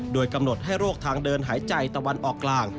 โดยกำหนดให้โรคทางเดินหายใจตะวันออกกลาง